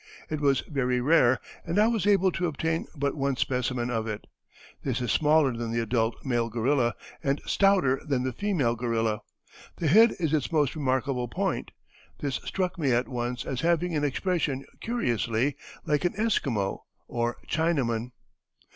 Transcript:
It was very rare, and I was able to obtain but one specimen of it. This is smaller than the adult male gorilla, and stouter than the female gorilla. The head is its most remarkable point. This struck me at once as having an expression curiously like an Esquimau or Chinaman."